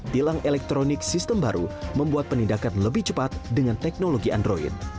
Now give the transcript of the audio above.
tilang elektronik sistem baru membuat penindakan lebih cepat dengan teknologi android